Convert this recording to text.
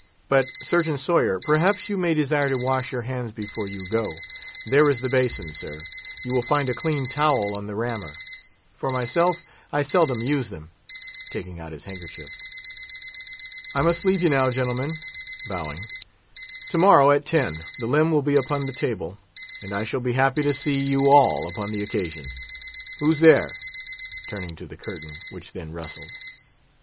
But, Surgeon Sawyer, perhaps you may desire to wash your hands before you go. There is the basin, sir; you will find a clean towel on the rammer. For myself, I seldom use them"—taking out his handkerchief. "I must leave you now, gentlemen"—bowing. "To morrow, at ten, the limb will be upon the table, and I shall be happy to see you all upon the occasion. Who's there?" turning to the curtain, which then rustled.